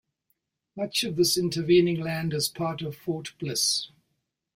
Much of this intervening land is part of Fort Bliss.